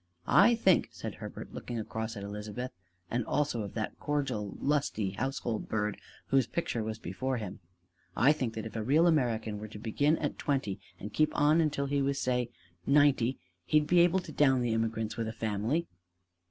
"I think," said Herbert, looking across at Elizabeth, and also of that cordial lusty household bird whose picture was before him, "I think that if a real American were to begin at twenty and keep on until he was, say, ninety, he'd be able to down the immigrants with a family."